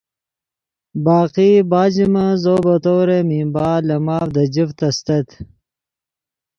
باقی بعد ژے من زو بطور ممبار لے ماف دے جفت استت